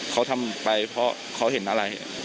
เขาทำไปเพราะเขาเห็นอะไร